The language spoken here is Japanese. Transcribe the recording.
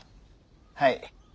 はい。